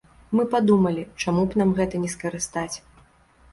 Мы падумалі, чаму б нам гэта не скарыстаць.